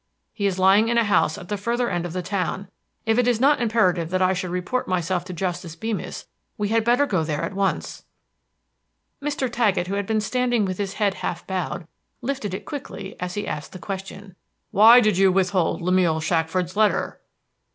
He is lying in a house at the further end of the town. If it is not imperative that I should report myself to Justice Beemis, we had better go there at once." Mr. Taggett, who had been standing with his head half bowed, lifted it quickly as he asked the question, "Why did you withhold Lemuel Shackford's letter?"